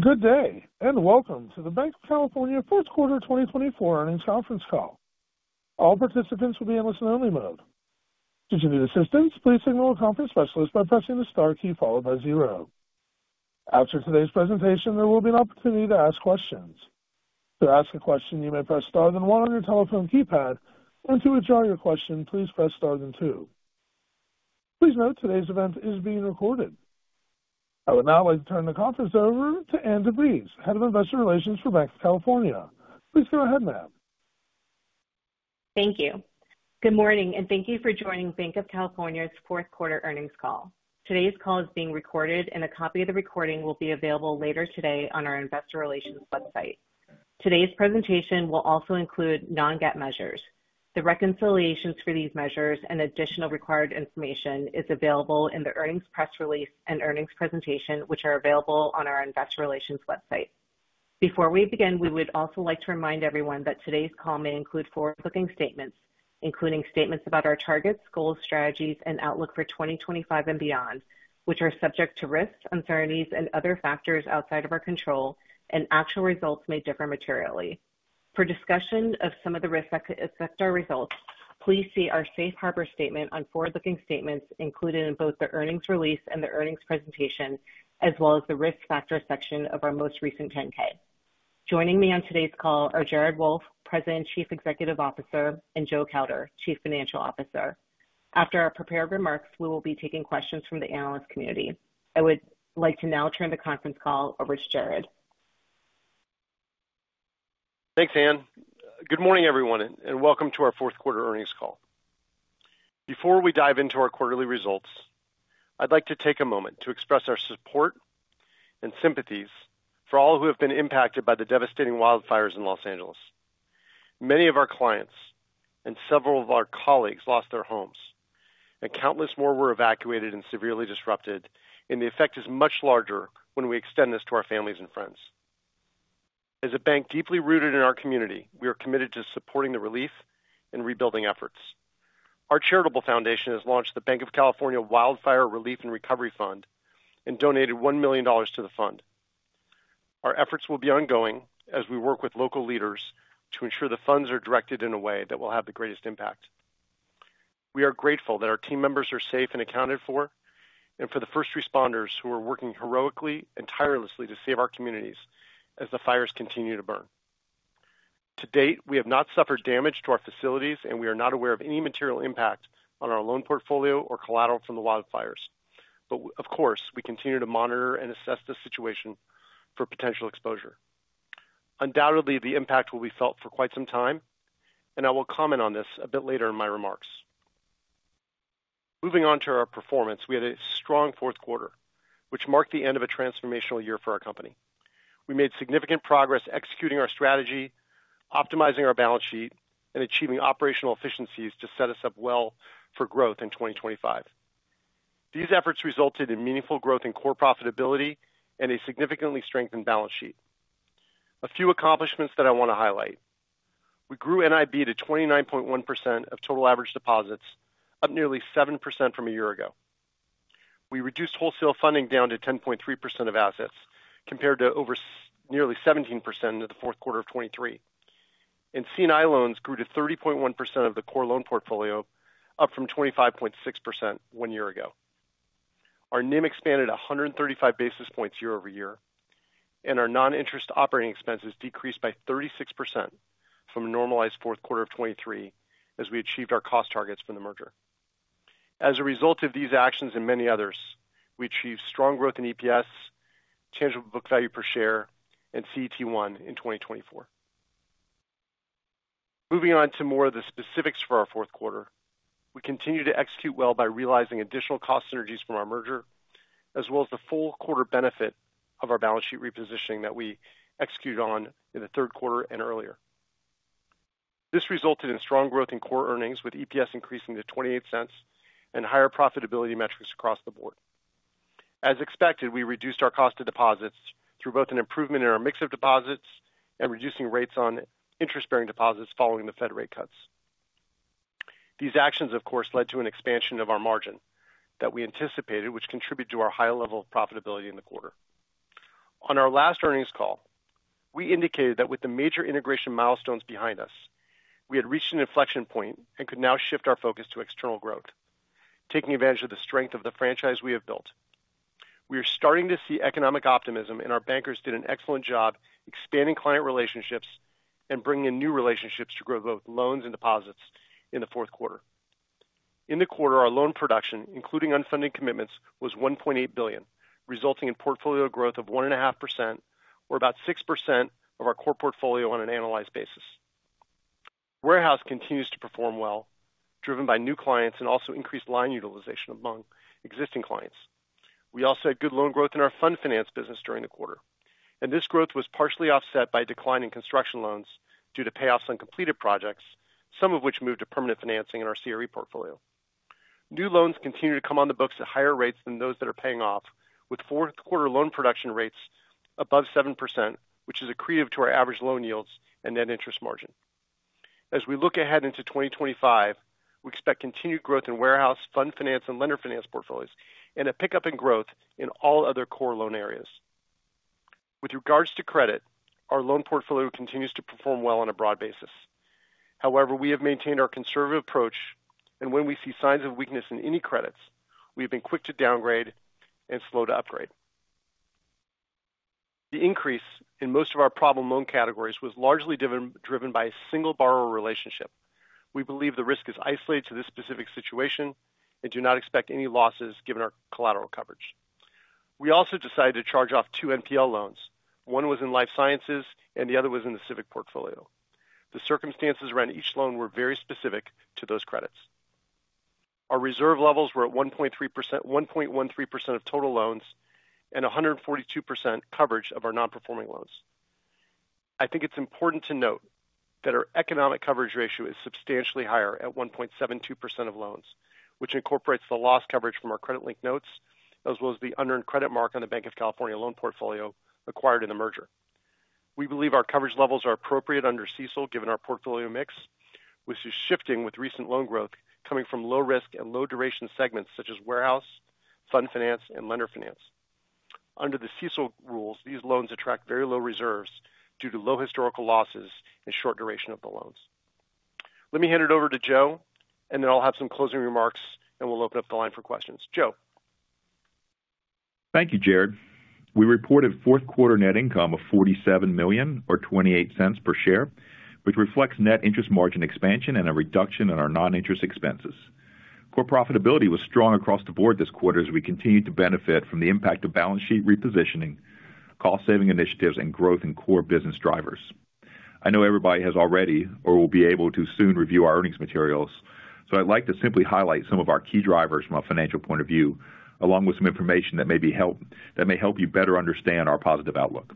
Good day and welcome to the Banc of California fourth quarter 2024 earnings conference call. All participants will be in listen-only mode. Should you need assistance, please signal a conference specialist by pressing the star key followed by zero. After today's presentation, there will be an opportunity to ask questions. To ask a question, you may press star then one on your telephone keypad and to withdraw your question, please press star then two. Please note today's event is being recorded. I would now like to turn the conference over to Ann DeVries, Head of Investor Relations for Banc of California. Please go ahead, Ma'am. Thank you. Good morning, and thank you for joining Banc of California's fourth quarter earnings call. Today's call is being recorded, and a copy of the recording will be available later today on our investor relations website. Today's presentation will also include non-GAAP measures. The reconciliations for these measures and additional required information is available in the earnings press release and earnings presentation, which are available on our investor relations website. Before we begin, we would also like to remind everyone that today's call may include forward-looking statements, including statements about our targets, goals, strategies and outlook for 2025 and beyond, which are subject to risks, uncertainties and other factors outside of our control, and actual results may differ materially. For discussion of some of the risks that could affect our results, please see our Safe Harbor statement on forward-looking statements included in both the earnings release and the earnings presentation, as well as the Risk Factors section of our most recent 10-K. Joining me on today's call are Jared Wolff, President, Chief Executive Officer and Joe Kauder, Chief Financial Officer. After our prepared remarks, we will be taking questions from the analyst community. I would like to now turn the conference call over to Jared. Thanks, Ann. Good morning, everyone, and welcome to our fourth quarter earnings call. Before we dive into our quarterly results, I'd like to take a moment to express our support and sympathies for all who have been impacted by the devastating wildfires in Los Angeles. Many of our clients and several of our colleagues lost their homes and countless more were evacuated and severely disrupted, and the effect is much larger when we extend this to our families and friends. As a bank deeply rooted in our community, we are committed to supporting the relief and rebuilding efforts. Our charitable foundation has launched the Banc of California Wildfire Relief and Recovery Fund and donated $1 million to the fund. Our efforts will be ongoing as we work with local leaders to ensure the funds are directed in a way that will have the greatest impact. We are grateful that our team members are safe and accounted for and for the first responders who are working heroically and tirelessly to save our communities as the fires continue to burn. To date, we have not suffered damage to our facilities and we are not aware of any material impact on our loan portfolio or collateral from the wildfires. But, of course, we continue to monitor and assess the situation for potential exposure. Undoubtedly the impact will be felt for quite some time and I will comment on this a bit later in my remarks. Moving on to our performance, we had a strong fourth quarter which marked the end of a transformational year for our company. We made significant progress executing our strategy, optimizing our balance sheet and achieving operational efficiencies to set us up well for growth in 2025. These efforts resulted in meaningful growth in core profitability and a significantly strengthened balance sheet. A few accomplishments that I want to highlight. We grew NIB to 29.1% of total average deposits, up nearly 7% from a year ago. We reduced wholesale funding down to 10.3% of assets compared to over nearly 17% in fourth quarter 2023, and C&I loans grew to 30.1% of the core loan portfolio up from 25.6% one year ago. Our NIM expanded 135 basis points year-over-year, and our non-interest operating expenses decreased by 36% from a normalized fourth quarter 2023 as we achieved our cost targets from the merger. As a result of these actions and many others, we achieved strong growth in EPS, tangible book value per share, and CET1 in 2024. Moving on to more of the specifics for our fourth quarter. We continue to execute well by realizing additional cost synergies from our merger as well as the full quarter benefit of our balance sheet repositioning that we executed on in the third quarter and earlier. This resulted in strong growth in core earnings with EPS increasing to $0.28 and higher profitability metrics across the board. As expected, we reduced our cost of deposits through both an improvement in our mix of deposits and reducing rates on interest bearing deposits following the Fed rate cuts. These actions of course led to an expansion of our margin that we anticipated which contributed to our high level of profitability in the quarter. On our last earnings call we indicated that with the major integration milestones behind us, we had reached an inflection point and could now shift our focus to external growth, taking advantage of the strength of the franchise we have built. We are starting to see economic optimism and our bankers did an excellent job and expanding client relationships and bringing in new relationships to grow both loans and deposits in the fourth quarter. In the quarter, our loan production, including unfunded commitments was $1.8 billion, resulting in portfolio growth of 1.5% or about 6% of our core portfolio on an annualized basis. Warehouse continues to perform well, driven by new clients and also increased line utilization among existing clients. We also had good loan growth in our Fund Finance business during the quarter and this growth was partially offset by declining construction loans due to payoffs on completed projects, some of which moved to permanent financing in our CRE portfolio. New loans continue to come on the books at higher rates than those that are paying off with fourth quarter loan production rates above 7%, which is accretive to our average loan yields and net interest margin. As we look ahead into 2025, we expect continued growth in Warehouse, Fund Finance and Lender Finance portfolios and a pickup in growth in all other core loan areas. With regards to credit, our loan portfolio continues to perform well on a broad basis. However, we have maintained our conservative approach and when we see signs of weakness in any credits we have been quick to downgrade and slow to upgrade. The increase in most of our problem loan categories was largely driven by a single borrower relationship. We believe the risk is isolated to this specific situation and do not expect any losses given our collateral coverage. We also decided to charge-off two NPL loans. One was in Life Sciences and the other was in the Civic Portfolio. The circumstances around each loan were very specific to those credits. Our reserve levels were at 1.13% of total loans and 142% coverage of our non-performing loans. I think it's important to note that our economic coverage ratio is substantially higher at 1.72% of loans, which incorporates the loss coverage from our credit-linked notes as well as the unearned credit mark on the Banc of California loan portfolio acquired in the merger. We believe our coverage levels are appropriate under CECL given our portfolio mix, which is shifting with recent loan growth coming from low-risk and low-duration segments such as Warehouse, Fund Finance, and Lender Finance. Under the CECL rules, these loans attract very low reserves due to low historical losses and short duration of the loans. Let me hand it over to Joe and then I'll have some closing remarks and we'll open up the line for questions. Joe? Thank you, Jared. We reported fourth quarter net income of $47 million or $0.28 per share, which reflects net interest margin expansion and a reduction in our non-interest expenses. Core profitability was strong across the board this quarter as we continue to benefit from the impact of balance sheet repositioning, cost-saving initiatives and growth in core business drivers. I know everybody has already or will be able to soon review our earnings materials, so I'd like to simply highlight some of our key drivers from a financial point of view along with some information that may help you better understand our positive outlook.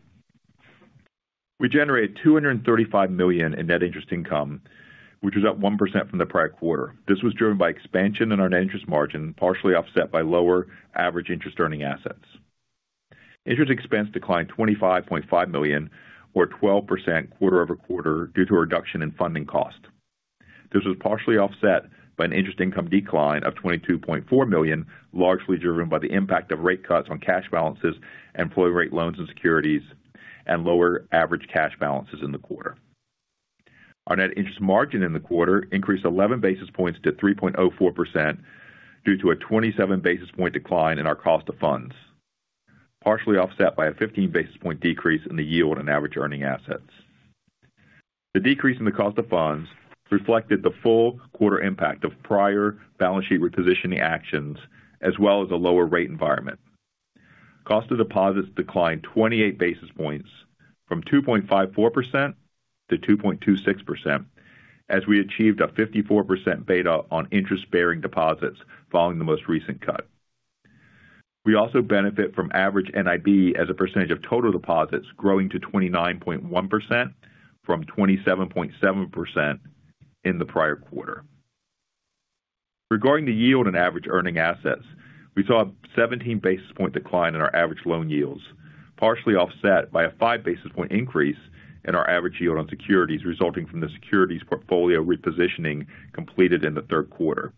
We generated $235 million in net interest income which was up 1% from the prior quarter. This was driven by expansion in our net interest margin partially offset by lower average interest earning assets. Interest expense declined $25.5 million or 12% quarter-over-quarter due to a reduction in funding cost. This was partially offset by an interest income decline of $22.4 million largely driven by the impact of rate cuts on cash balances, employee rate loans and securities and lower average cash balances in the quarter. Our net interest margin in the quarter increased 11 basis points to 3.04% due to a 27 basis point decline in our cost of funds, partially offset by a 15 basis point decrease in the yield and average earning assets. The decrease in the cost of funds reflected the full quarter impact of prior balance sheet repositioning actions as well as a lower rate environment. Cost of deposits declined 28 basis points from 2.54% to 2.26% as we achieved a 54% beta on interest bearing deposits following the most recent cut. We also benefit from average NIB as a percentage of total deposits growing to 29.1% from 27.7% in the prior quarter. Regarding the yield and average earning assets, we saw a 17 basis points decline in our average loan yields partially offset by a 5 basis points increase in our average yield on securities resulting from the securities portfolio repositioning completed in the third quarter.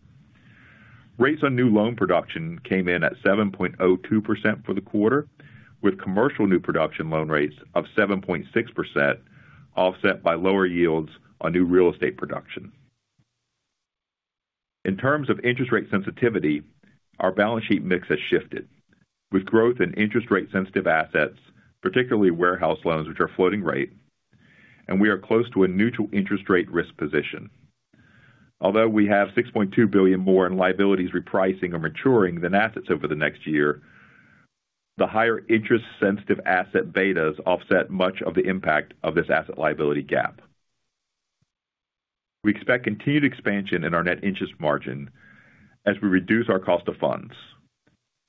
Rates on new loan production came in at 7.02% for the quarter with commercial new production loan rates of 7.6% offset by lower yields on new real estate production. In terms of interest rate sensitivity, our balance sheet mix has shifted with growth in interest rate sensitive assets, particularly Warehouse loans which are floating rate and we are close to a neutral interest rate risk position. Although we have $6.2 billion more in liabilities repricing or maturing than assets over the next year, the higher interest sensitive asset betas offset much of the impact of this asset liability gap. We expect continued expansion in our net interest margin as we reduce our cost of funds.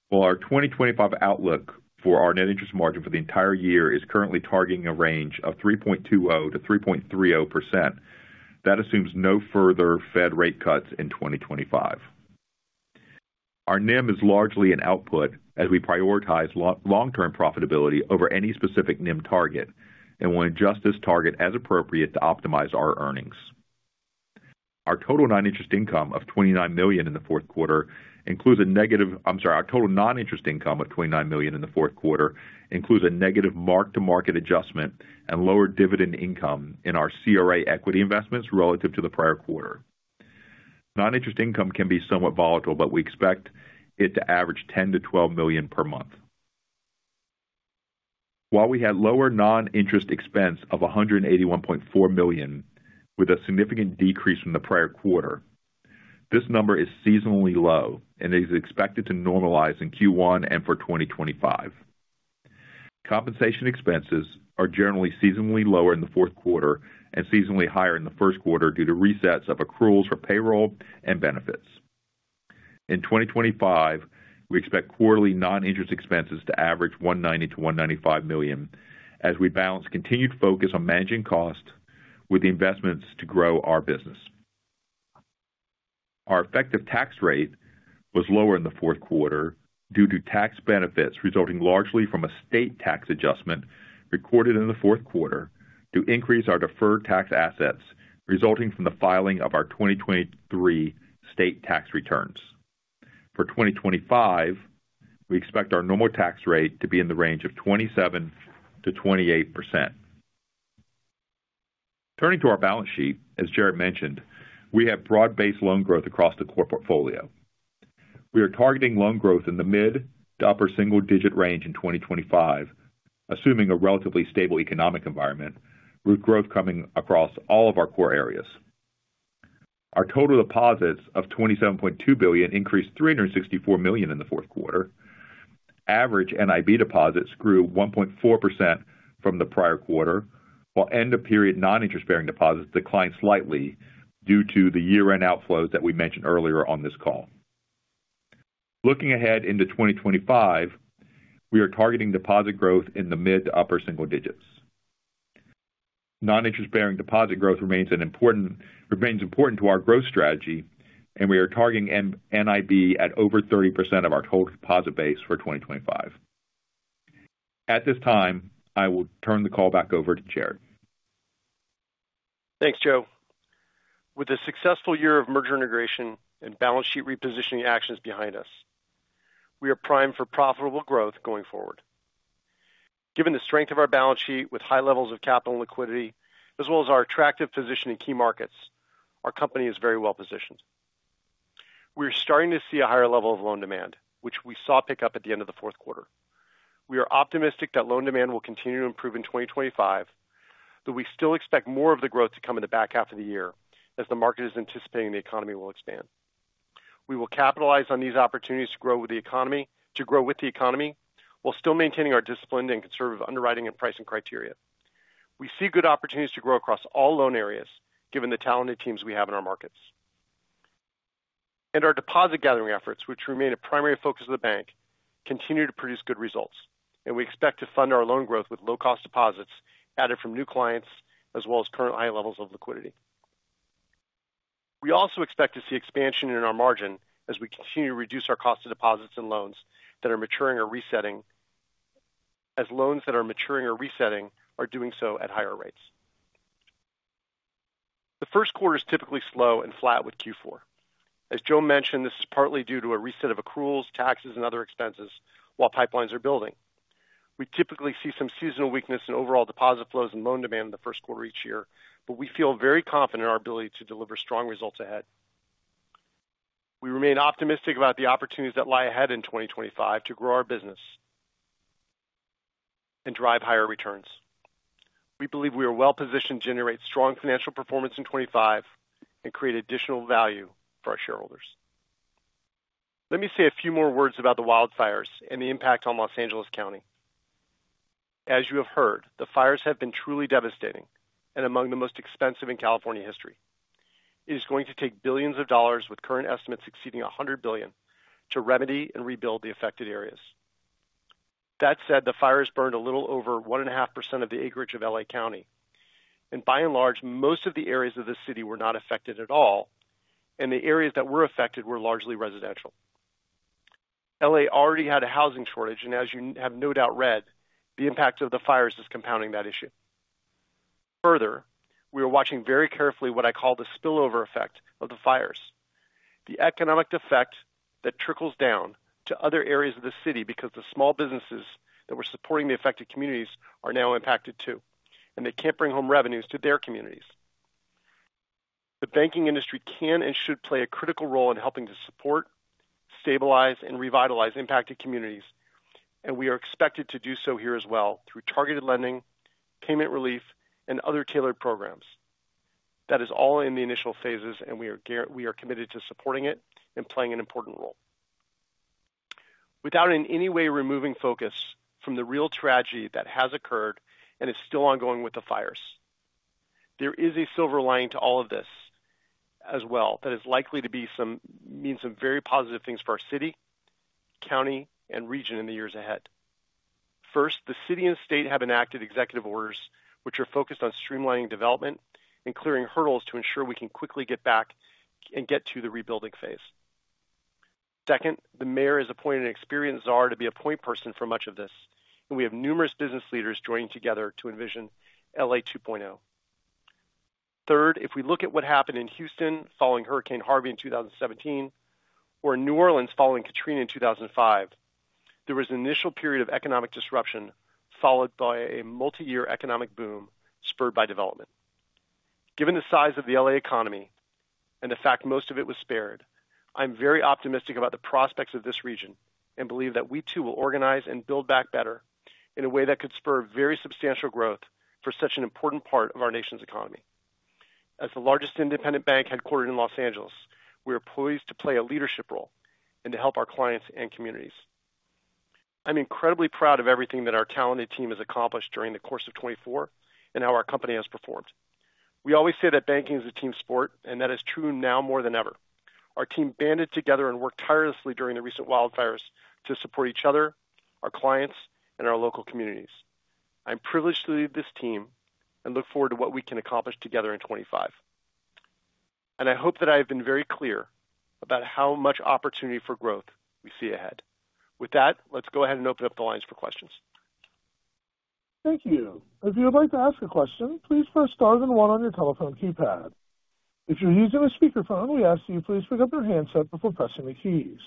While our 2025 outlook for our net interest margin for the entire year is currently targeting a range of 3.20%-3.30%, that assumes no further Fed rate cuts in 2025. Our NIM is largely an output as we prioritize long term profitability over any specific NIM target and will adjust this target as appropriate to optimize our earnings. Our total non-interest income of $29 million in the fourth quarter includes a negative mark to market adjustment and lower dividend income in our CRA equity investments relative to the prior quarter. Non-interest income can be somewhat volatile, but we expect it to average $10 million-$12 million per month. While we had lower non-interest expense of $181.4 million with a significant decrease from the prior quarter, this number is seasonally low and is expected to normalize in Q1 and for 2025. Compensation expenses are generally seasonally lower in the fourth quarter and seasonally higher in the first quarter due to resets of accruals for payroll and benefits. In 2025, we expect quarterly non-interest expenses to average $190 million-$195 million as we balance continued focus on managing cost with the investments to grow our business. Our effective tax rate was lower in the fourth quarter due to tax benefits resulting largely from a state tax adjustment recorded in the fourth quarter. To increase our deferred tax assets resulting from the filing of our 2023 state tax returns for 2025, we expect our normal tax rate to be in the range of 27%-28%. Turning to our balance sheet, as Jared mentioned, we have broad based loan growth across the core portfolio. We are targeting loan growth in the mid to upper single digit range in 2025 assuming a relatively stable economic environment with growth coming across all of our core areas. Our total deposits of $27.2 billion increased $364 million in the fourth quarter. Average NIB deposits grew 1.4% from the prior quarter while end of period non-interest bearing deposits declined slightly due to the year end outflows that we mentioned earlier on this call. Looking ahead into 2025, we are targeting deposit growth in the mid to upper single digits. Non-interest bearing deposit growth remains an important to our growth strategy and we are targeting NIB at over 30% of our total deposit base for 2025. At this time I will turn the call back over to Jared. Thanks Joe. With a successful year of merger integration and balance sheet repositioning actions behind us, we are primed for profitable growth going forward. Given the strength of our balance sheet with high levels of capital and liquidity as well as our attractive position in key markets, our company is very well positioned. We are starting to see a higher level of loan demand which we saw pick up at the end of the fourth quarter. We are optimistic that loan demand will continue to improve in 2025, but we still expect more of the growth to come in the back half of the year as the market is anticipating the economy will expand. We will capitalize on these opportunities to grow with the economy while still maintaining our disciplined and conservative underwriting and pricing criteria. We see good opportunities to grow across all loan areas given the talented teams we have in our markets and our deposit gathering efforts which remain a primary focus of the bank, continue to produce good results and we expect to fund our loan growth with low cost deposits added from new clients as well as current high levels of liquidity. We also expect to see expansion in our margin as we continue to reduce our cost of deposits and loans that are maturing or resetting as loans that are maturing or resetting are doing so at higher rates. The first quarter is typically slow and flat with Q4. As Joe mentioned, this is partly due to a reset of accruals, taxes and other expenses while pipelines are building. We typically see some seasonal weakness in overall deposit flows and loan demand in the first quarter each year, but we feel very confident in our ability to deliver strong results ahead. We remain optimistic about the opportunities that lie ahead in 2025 to grow our business and drive higher returns. We believe we are well positioned to generate strong financial performance in 2025 and create additional value for our shareholders. Let me say a few more words about the wildfires and the impact on Los Angeles County. As you have heard, the fires have been truly devastating and among the most expensive in California history. It is going to take billions of dollars with current estimates exceeding $100 billion to remedy and rebuild the affected areas. That said, the fires burned a little over 1.5% of the acreage of Los Angeles County and by and large most of the areas of the city were not affected at all and the areas that were affected were largely residential. Los Angeles already had a housing shortage and as you have no doubt read, the impact of the fires is compounding that issue further. We are watching very carefully what I call the spillover effect of the fires. The economic effect that trickles down to other areas of the city because the small businesses that were supporting the affected communities are now impacted too, and they can't bring home revenues to their communities. The banking industry can and should play a critical role in helping to support, stabilize and revitalize impacted communities, and we are expected to do so here as well through targeted lending, payment relief and other tailored programs. That is all in the initial phases and we are committed to supporting it and playing an important role. Without in any way removing focus from the real tragedy that has occurred and is still ongoing with the fires, there is a silver lining to all of this as well that is likely to mean some very positive things for our city, county and region in the years ahead. First, the city and state have enacted executive orders which are focused on streamlining development and clearing hurdles to ensure we can quickly get back and get to the rebuilding phase. Second, the Mayor has appointed an experienced czar to be a point person for much of this, and we have numerous business leaders joining together to envision LA 2.0. Third, if we look at what happened in Houston following Hurricane Harvey in 2017 or New Orleans following Katrina in 2005, there was an initial period of economic disruption followed by a multi-year economic boom spurred by development. Given the size of the LA economy and the fact most of it was spared, I'm very optimistic about the prospects of this region and believe that we too will organize and build back better in a way that could spur very substantial growth for such an important part of our nation's economy. As the largest independent bank headquartered in Los Angeles, we are poised to play a leadership role and to help our clients and communities. I'm incredibly proud of everything that our talented team has accomplished during the course of 2024 and how our company has performed. We always say that banking is a team sport, and that is true now more than ever. Our team banded together and worked tirelessly during the recent wildfires to support each other, our clients and our local communities. I'm privileged to lead this team and look forward to what we can accomplish together in 2025, and I hope that I have been very clear about how much opportunity for growth we see ahead. With that, let's go ahead and open up the lines for questions. Thank you. If you would like to ask a question, please press star then one on your telephone keypad. If you're using a speakerphone, we ask that you please pick up your handset before pressing the keys.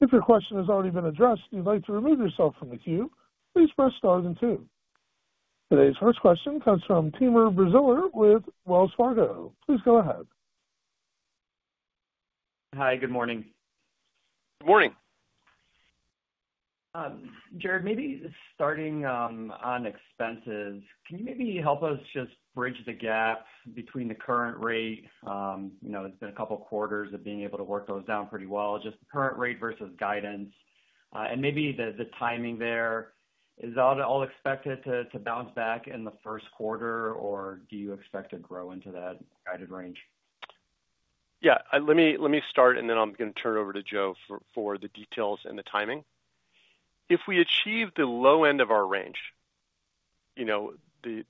If your question has already been addressed, you'd like to remove yourself from the queue, please press star then two. Today's first question comes from Timur Braziler with Wells Fargo. Please go ahead. Hi, good morning. Good morning. Jared. Maybe starting on expenses, can you maybe help us just bridge the gap between the current rate, you know, it's been a couple quarters of being able to work those down pretty well. Just current rate versus guidance and maybe the timing there is all expected to bounce back in the first quarter or do you expect to grow into that guided range? Yeah, let me start and then I'm going to turn it over to Joe for the details and the timing. If we achieve the low end of our range, you know, the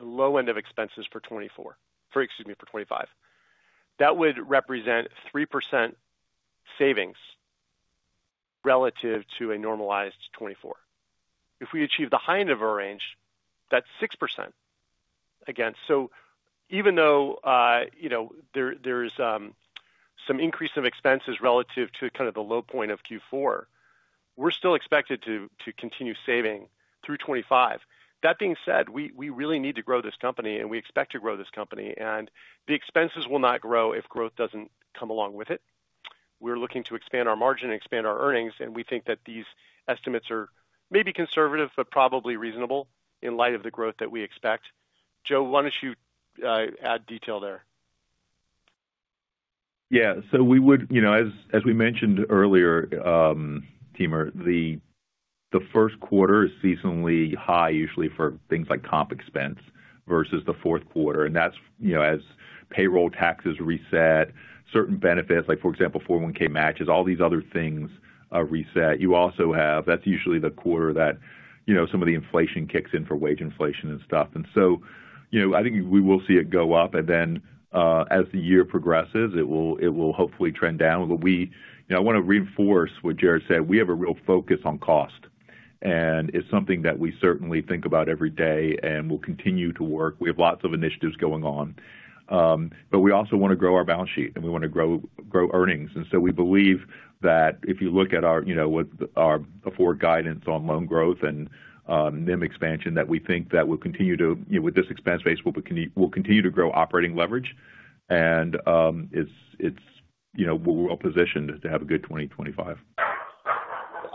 low end of expenses for 2024, excuse me, for 2025, that would represent 3% savings relative to a normalized 2024. If we achieve the high end of our range, that's 6% again. So even though, you know, there is some increase of expenses relative to kind of the low point of Q4, we're still expected to continue saving through 2025. That being said, we really need to grow this company and we expect to grow this company and the expenses will not grow if growth doesn't come along with it. We're looking to expand our margin and expand our earnings and we think that these estimates are maybe conservative but probably reasonable in light of the growth that we expect. Joe, why don't you add detail there? Yeah, so we would, you know, as we mentioned earlier, Timur, the first quarter is seasonally high, usually for things like comp expense versus the fourth quarter. And that's usually known as payroll taxes reset, certain benefits, like for example 401(k) matches, all these other things reset. You also have, that's usually the quarter that, you know, some of the inflation kicks in for wage inflation and stuff. And so, you know, I think we will see it go up and then as the year progresses it will hopefully trend down. But we, you know, I want to reinforce what Jared said. We have a real focus on cost and it's something that we certainly think about every day. And we'll continue to work. We have lots of initiatives going on, but we also want to grow our balance sheet and we want to grow earnings. And so we believe that if you look at our forward guidance on loan growth and NIM expansion that we think that we'll continue to, you know, with this expense base, we'll continue to grow operating leverage and it's, you know, we're well positioned to have a good 2025.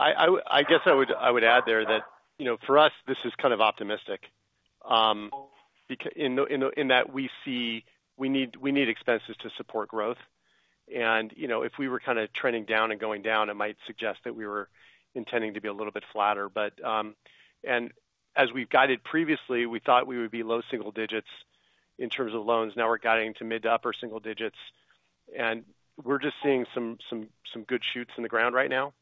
I guess I would add there that, you know, for us this is kind of optimistic in that we see we need expenses to support growth. And you know, if we were kind of trending down and going down, it might suggest that we were intending to be a little bit flatter, but. And as we've guided previously, we thought we would be low single digits in terms of loans. Now we're guiding to mid- to upper single digits and we're just seeing some good shoots in the ground right now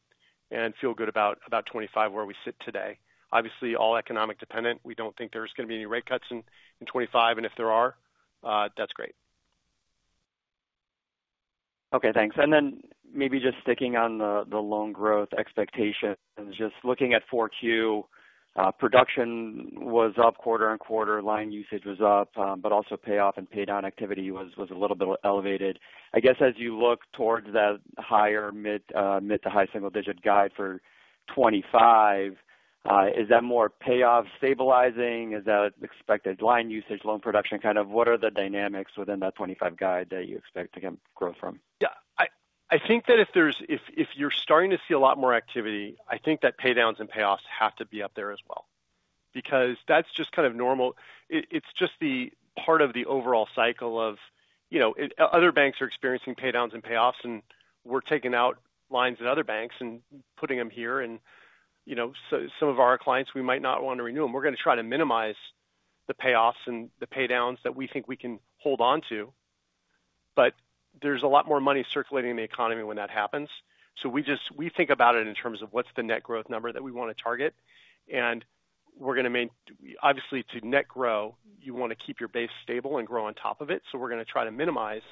and feel good about 2025 where we sit today. Obviously all economic dependent. We don't think there's going to be any rate cuts in 2025 and if there are, that's great. Okay, thanks. And then maybe just sticking on the loan growth expectations, just looking at 4Q, production was up, quarter on quarter line usage was up. But also payoff and paydown activity was a little bit elevated. I guess as you look towards that higher mid- to high-single-digit guide for 2025, is that more payoff stabilizing? Is that expected line usage, loan production? Kind of what are the dynamics within that 2025 guide that you expect to get growth from? Yeah, I think that if there's, if you're starting to see a lot more activity, I think that paydowns and payoffs have to be up there as well because that's just kind of normal. It's just the part of the overall cycle of, you know, other banks are experiencing paydowns and payoffs and we're taking out lines at other banks and putting them here. And you know, some of our clients, we might not want to renew them. We're going to try to minimize the payoffs and the paydowns that we think we can hold on to. But there's a lot more money circulating in the economy when that happens. So we just, we think about it in terms of what's the net growth number that we want to target. And we're going to obviously to net grow, you want to keep your base stable and grow on top of it. So we're going to try to minimize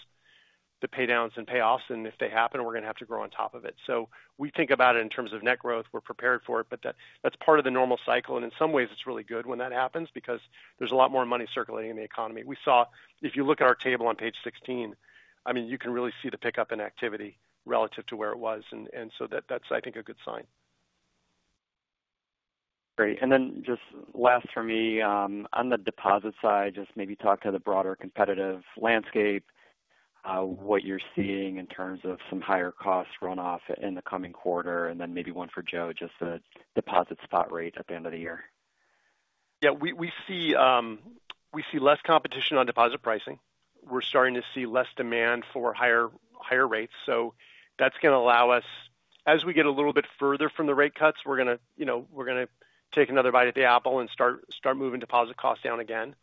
the paydowns and payoffs and if they happen, we're going to have to grow on top of it. So we think about it in terms of net growth, we're prepared for it, but that's part of the normal cycle. And in some ways it's really good when that happens because there's a lot more money circulating in the economy. We saw, if you look at our table on page 16, I mean you can really see the pickup in activity relative to where it was. And so that's I think a good sign. Great. And then just last for me on the deposit side, just maybe talk to the broader competitive landscape, what you're seeing in terms of some higher cost runoff in the coming quarter and then maybe one for Joe, just a deposit spot rate at the end of the year? Yeah, we see less competition on deposit pricing. We're starting to see less demand for higher rates. So that's going to allow us, as we get a little bit further from the rate cuts, we're going to, you know, we're going to take another bite at the apple and start moving deposit costs down again.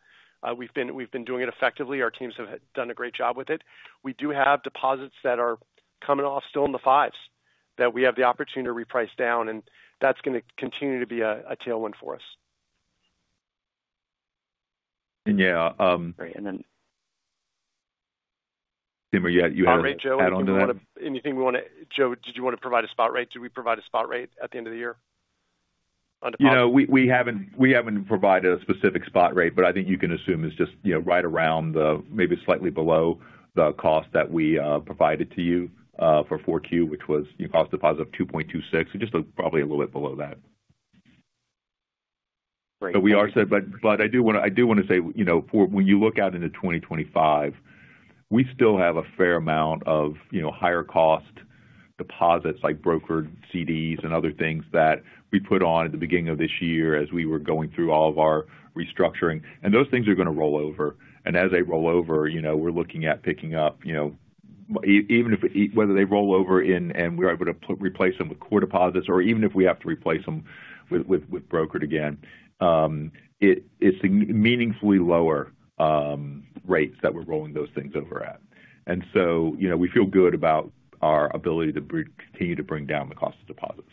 We've been doing it effectively. Our teams have done a great job with it. We do have deposits that are coming off still in the fives that we have the opportunity to reprice down and that's going to continue to be a tailwind for us and. Yeah. And then. Timur, you had onto that. Anything we want to, Joe, did you want to provide a spot rate? Do we provide a spot rate at the end of the year? You know, we haven't provided a specific spot rate, but I think you can assume it's just, you know, right around the, maybe slightly below the cost that we provided to you for 4Q, which was cost of deposit of 2.26%, just probably a little bit below that. We are. But I do want to, I do want to say, you know, for when you look out into 2025, we still have a fair amount of, you know, higher cost deposits like brokered CDs and other things that we put on at the beginning of this year as we were going through all of our restructuring and those things are going to roll over and as they roll over, you know, we're looking at picking up, you know, even if, whether they roll over in and we're able to replace them with core deposits or even if we have to replace them with brokered again, it's meaningfully lower rates that we're rolling those things over at. And so, you know, we feel good about our ability to continue to bring down the cost of deposits.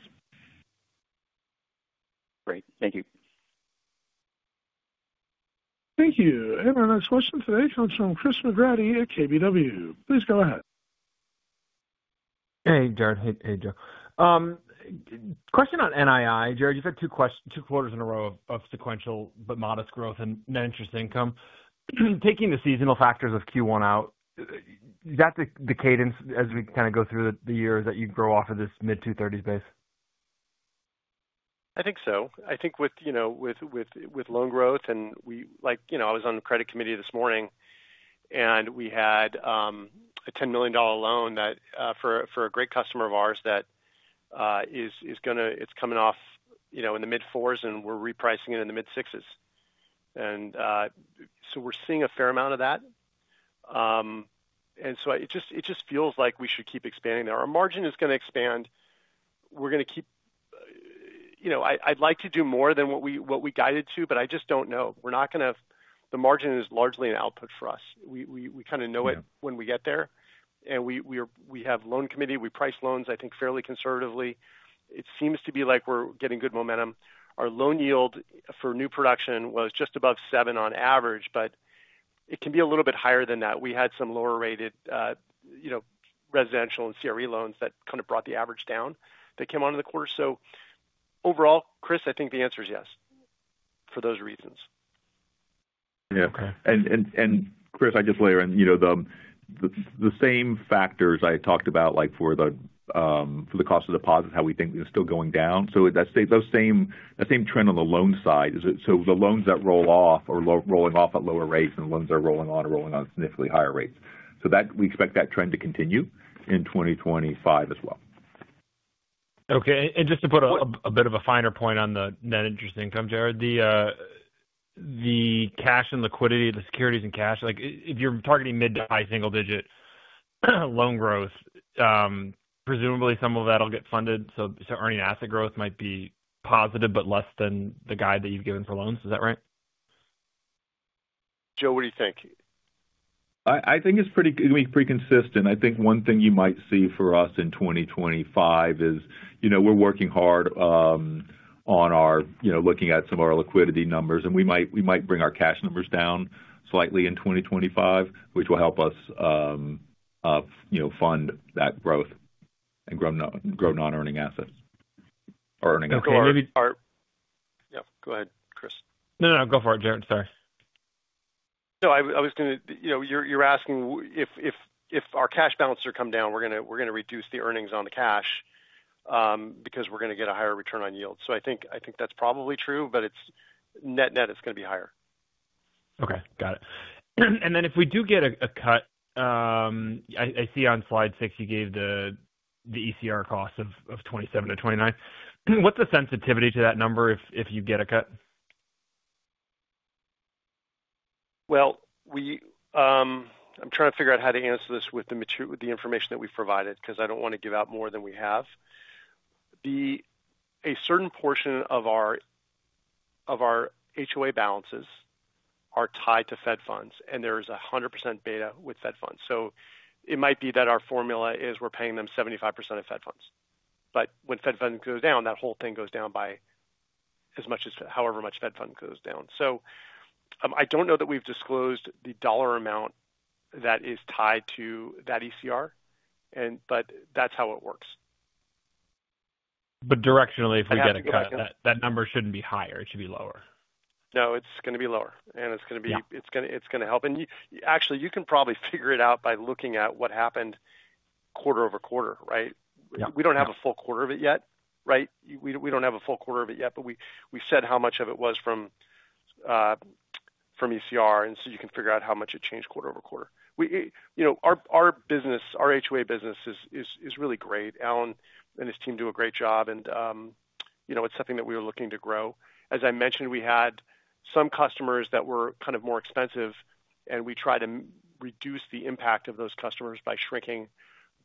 Great. Thank you. Thank you, and our next question today comes from Chris McGratty at KBW. Please go ahead. Hey Jared. Hey Joe. Question on NII, Jared. You've had two quarters in a row of sequential but modest growth in net interest income. Taking the seasonal factors of Q1 out, what's the cadence as we kind of go through the year that you grow off of this mid-230s base? I think. So, I think with, you know, with loan growth and we like, you know, I was on the credit committee this morning and we had a $10 million loan that, for a great customer of ours that is going to, it's coming off in the mid fours and we're repricing it in the mid sixes and so we're seeing a fair amount of that. And so it just feels like we should keep expanding there. Our margin is going to expand, we're going to keep, you know, I'd like to do more than what we guided to, but I just don't know. We're not going to. The margin is largely an output for us. We kind of know it when we get there and we have loan committee, we price loans I think fairly conservatively. It seems to be like we're getting good momentum. Our loan yield for new production was just above seven on average. But it can be a little bit higher than that. We had some lower rated residential and CRE loans that kind of brought the average down that came on in the quarter. So overall, Chris, I think the answer is yes for those reasons. And Chris, I just layer in the same factors I talked about like for the cost of deposits, how we think it's still going down. So that's those same trend on the loan side, is it? So the loans that roll off are rolling off at lower rates and loans are rolling on significantly higher rates so that we expect that trend to continue in 2025 as well. Okay. And just to put a bit of a finer point on the net interest income, Jared, the cash and liquidity, the securities and cash, like if you're targeting mid- to high-single-digit loan growth, presumably some of that will get funded. So earning asset growth might be positive but less than the guide that you've given for loans. Is that right? Joe, what do you think? I think it's pretty, pretty consistent. I think one thing you might see for us in 2025 is, you know, we're working hard on our, you know, looking at some of our liquidity numbers and we might, we might bring our cash numbers down slightly in 2025 which will help us fund that growth and grow non earning assets or earnings. Go ahead, Chris. No, no, go for it, Jared. Sorry. No, I was going to, you know, you're asking if our cash balances come down, we're going to reduce the earnings on the cash because we're going to get a higher return on yield. So I think that's probably true, but it's net net is going to be higher. Okay, got it. And then if we do get a cut, I see on slide six you gave the ECR cost of 27-29. What's the sensitivity to that number if you get a cut? Well, we, I'm trying to figure out how to answer this with the information that we've provided, because I don't want to give out more than we have. A certain portion of our HOA balances are tied to Fed funds, and there is 100% beta with Fed funds. So it might be that our formula is we're paying them 75% of Fed funds, but when Fed funds go down, that whole thing goes down by as much as however much Fed funds goes down. So I don't know that we've disclosed the dollar amount that is tied to that ECR, but that's how it works. But directionally, if we get a cut, that number shouldn't be higher, it should be lower. No, it's going to be lower and it's going to be. It's going to help. And actually, you can probably figure it out by looking at what happened quarter-over-quarter. Right? We don't have a full quarter of it yet. But we said how much of it was from ECR and so you can figure out how much it changed quarter-over-quarter. We, you know, our business, our HOA business is really great. Alan and his team do a great job. And, you know, it's something that we were looking to grow. As I mentioned, we had some customers that were kind of more expensive and we tried to reduce the impact of those customers by shrinking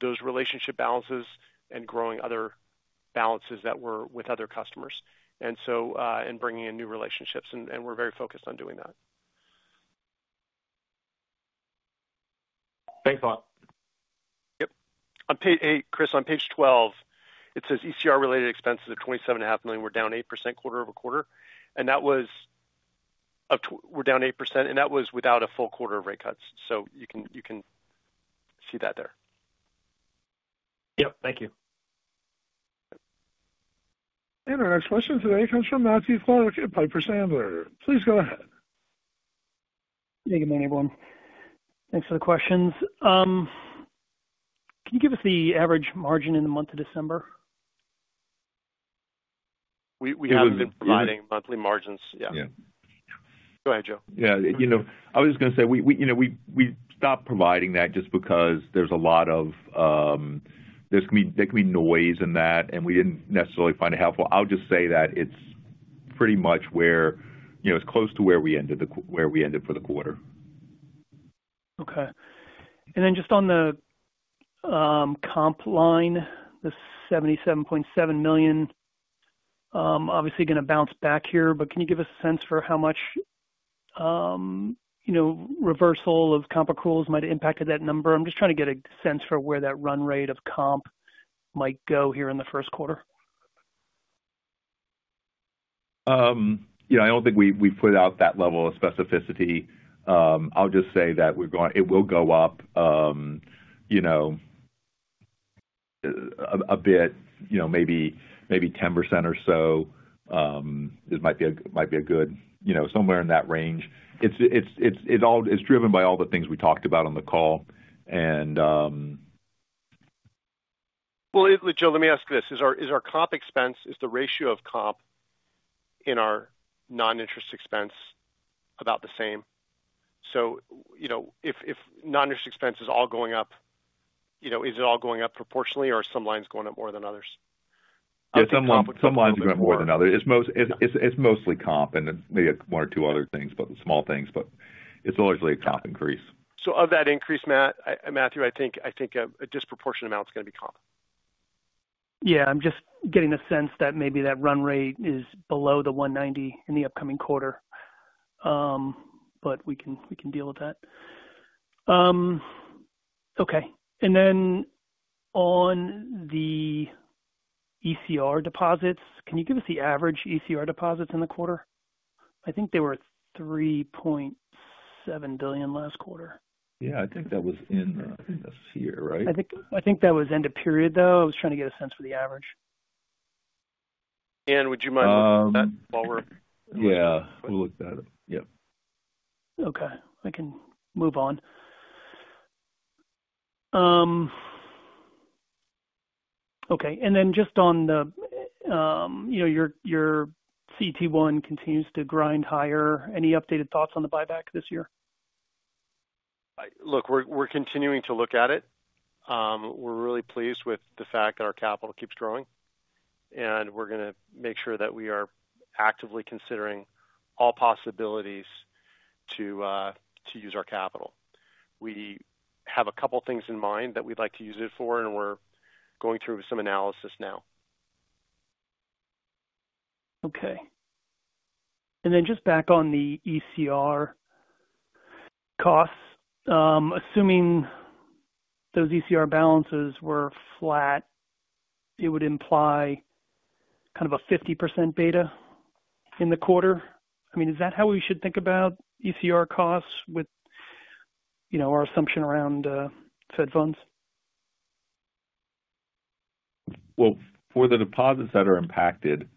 those relationship balances and growing other balances that were with other customers and so bringing in new relationships. And we're very focused on doing that. Yep. Chris, on page 12, it says ECR-related expenses of $27.5 million were down 8% quarter-over-quarter. Were down 8%, and that was without a full quarter of rate cuts. So you can see that there. Yep. Thank you. Our next question today comes from Matthew Clark at Piper Sandler. Please go ahead. Good morning, everyone. Thanks for the questions. Can you give us the average margin in the month of December? We haven't been providing monthly margins. Yeah. Go ahead, Joe. Yeah, you know, I was just going to say we stopped providing that just because there's a lot of noise in that and we didn't necessarily find it helpful. I'll just say that it's pretty much where, you know, it's close to where we ended for the quarter. Okay. And then just on the comp line, the $77.7 million, obviously going to bounce back here, but can you give us a sense for how much, you know, reversal of comp accruals might have impacted that number? I'm just trying to get a sense for where that run rate of comp might go here in the first quarter. You know, I don't think we put out that level of specificity. I'll just say that we're going. It will go up, you know, a bit, you know, maybe 10% or so. This might be a good, you know, somewhere in that range. It all is driven by all the things we talked about on the call and. Joe, let me ask you this. Is our comp expense, is the ratio of comp in our non-interest expense about the same? You know, if non-interest expense is all going up, you know, is it all going up proportionally or are some lines going up more than others? Yeah, some lines are going up more than others. It's mostly comp and maybe one or two other things, but small things. But it's largely a comp increase. So of that increase, Matt, I think a disproportionate amount is going to be comp. Yeah, I'm just getting a sense that maybe that run rate is below the 190 in the upcoming quarter, but we can deal with that. Okay, and then on the ECR deposits, can you give us the average ECR deposits in the quarter? I think they were $3.7 billion last quarter. Yeah, I think that was in this year, right? I think that was end of period, though. I was trying to get a sense for the average. Ann, would you mind looking at that while we're? Yeah, we'll look that up. Yeah. Okay, I can move on. Okay. And then just on the, you know, your CET1 continues to grind higher. Any updated thoughts on the buyback this year? Look, we're continuing to look at it. We're really pleased with the fact that our capital keeps growing and we're going to make sure that we are actively considering all possibilities to use our capital. We have a couple things in mind that we'd like to use it for and we're going through some analysis now. Okay. Then just back on the ECR costs, assuming those ECR balances were flat, it would imply kind of a 50% beta in the quarter. I mean, is that how we should think about ECR costs with, you know, our assumption around Fed funds? Well, for the deposits that are impacted,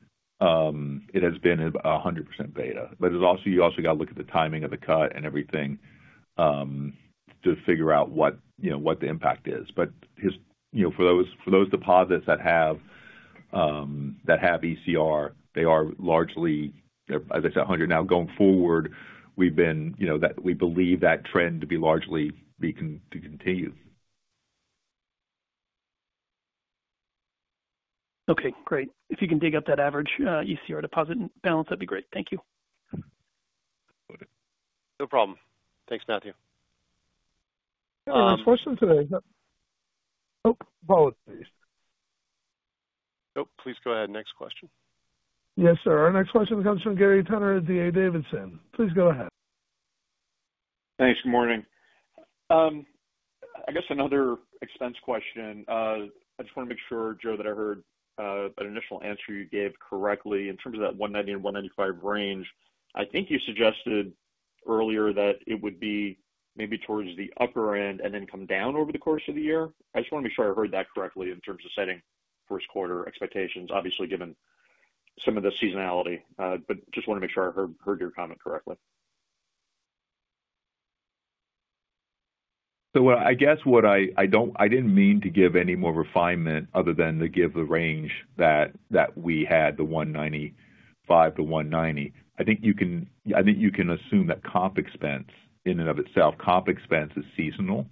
it has been 100% beta, but it's also, you also got to look at the timing of the cut and everything to figure out what, you know, what the impact is. But you know, for those deposits that have ECR. They are largely, as I said, 100%. Now going forward, we've been, you know, that we believe that trend to be largely to continue. Okay, great. If you can dig up that average ECR deposit balance, that'd be great. Thank you. No problem. Thanks, Matthew. Our next question today. Oh, apologies. Oh, please go ahead. Next question. Yes, sir. Our next question comes from Gary Tenner at D.A. Davidson. Please go ahead. Thanks. Good morning. I guess another expense question. I just want to make sure, Joe, that I heard an initial answer you gave correctly in terms of that 190-195 range. I think you suggested earlier that it would be maybe towards the upper end and then come down over the course of the year? I just want to be sure I heard that correctly in terms of setting first quarter expectations, obviously given some of the seasonality. But just want to make sure I heard your comment correctly. So I guess what, I don't, I didn't mean to give any more refinement other than to give the range that we had, the 195-190. I think you can assume that comp expense in and of itself, comp expense is seasonal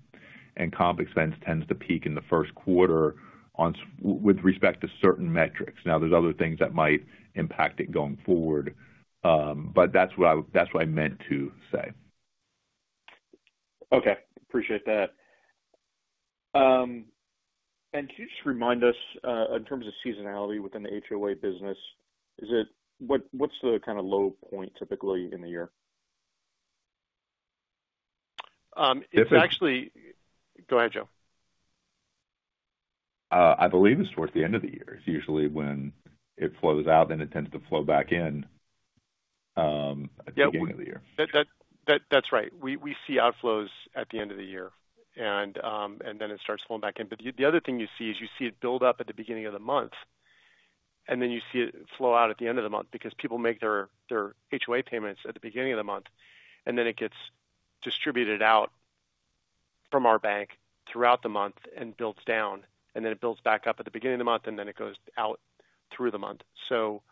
and comp expense tends to peak in the first quarter on with respect to certain metrics. Now, there's other things that might impact it going forward, but that's what I meant to say. Okay, appreciate that. And can you just remind us, in terms of seasonality within the HOA business, is it what's the kind of low point typically in the year? It's actually. Go ahead, Joe. I believe it's towards the end of the year. It's usually when it flows out, then it tends to flow back in at the beginning of the year. That's right. We see outflows at the end of the year and then it starts falling back in. But the other thing you see is you see it build up at the beginning of the month and then you see it flow out at the end of the month because people make their HOA payments at the beginning of the month and then it gets distributed out from our bank throughout the month and builds down and then it builds back up at the beginning of the month and then it goes out through the month. So,